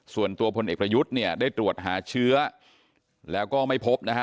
พลเอกประยุทธ์เนี่ยได้ตรวจหาเชื้อแล้วก็ไม่พบนะฮะ